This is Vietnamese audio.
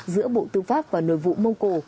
giữa bộ tư pháp và nội vụ mông cổ